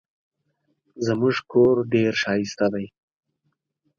زموږ کور ډېر ښایسته دی.